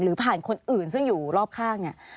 หรือผ่านคนอื่นซึ่งอยู่รอบข้าง